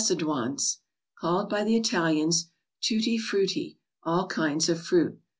Called by the Italians " Tutti Frut 7 ti all kinds of fruit.